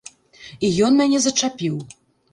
І ён мяне зачапіў.